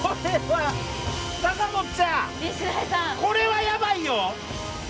これはヤバいよ！